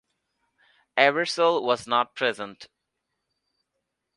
Ebersol was not present.